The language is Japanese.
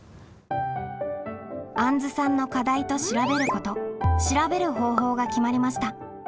あんずさんの課題と「調べること」「調べる方法」が決まりました。